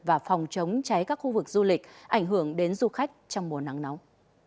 và phòng chống cháy các khu vực du lịch ảnh hưởng đến du khách trong mùa nắng nóng